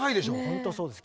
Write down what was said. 本当そうです